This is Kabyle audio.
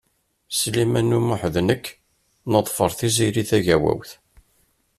Sliman U Muḥ d nekk neḍfeṛ Tiziri Tagawawt.